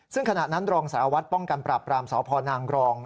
ซึ่งขณะนั้นรองสารวัตรป้องกันปราบรามสพนางรอง